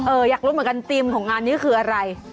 อยากรู้เหมือนกันธีมของงานนี้คืออะไร